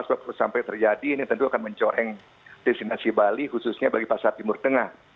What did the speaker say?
sebab kalau sampai terjadi ini tentu akan mencoreng destinasi bali khususnya bagi pasar timur tengah